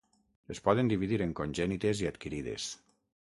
Es poden dividir en congènites i adquirides.